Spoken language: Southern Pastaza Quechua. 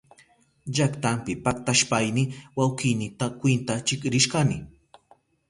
Llaktanpi paktashpayni wawkiynita kwintachik rishkani.